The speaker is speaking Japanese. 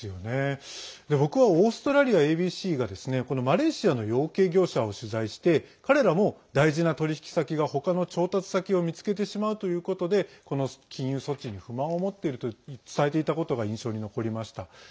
僕はオーストラリアＡＢＣがマレーシアの養鶏業者を取材して彼らも大事な取引先がほかの調達先を見つけてしまうということでこの禁輸措置に不満を持っていると伝えていたことが印象に残りました。